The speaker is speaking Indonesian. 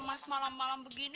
mas malam malam begini